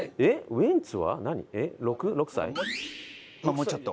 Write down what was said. もうちょっと。